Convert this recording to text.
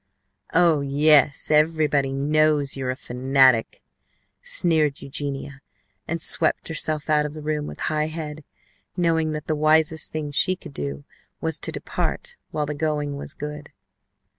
"Oh, yes, everybody knows you're a fanatic!" sneered Eugenia, and swept herself out of the room with high head, knowing that the wisest thing she could do was to depart while the going was good.